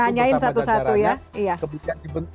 nanyain satu satu ya